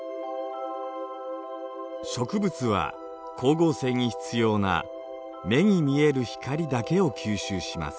植物は光合成に必要な目に見える光だけを吸収します。